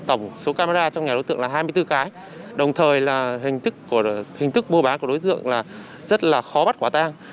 tổng số camera trong nhà đối tượng là hai mươi bốn cái đồng thời là hình thức mua bán của đối tượng là rất là khó bắt quả tang